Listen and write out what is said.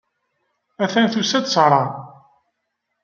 Attan tusa-d Sarah.